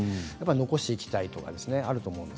残していきたいとかあると思います。